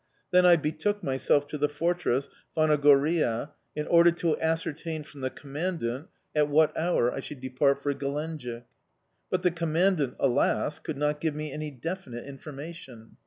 Then I betook myself to the fortress, Phanagoriya, in order to ascertain from the Commandant at what hour I should depart for Gelenjik. But the Commandant, alas! could not give me any definite information.